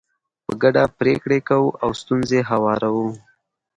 په ګډه پرېکړې کوو او ستونزې هواروو.